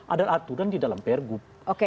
ada aturan di dalam pergub